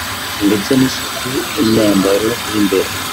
ndetse n’isuku y’imyambaro y’imbere